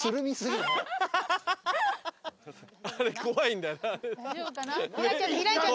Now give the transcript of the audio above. あれ怖いんだな。